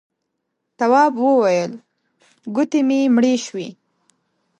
تواب وويل: گوتې مې مړې شوې.